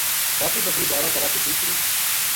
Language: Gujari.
باقی بکری دراوا کا راہ پو شیک چھُڑی